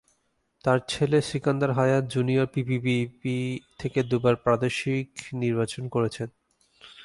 তার ছেলে Sikandar Hayat junior PPP থেকে দু'বার প্রাদেশিক নির্বাচন করেছেন।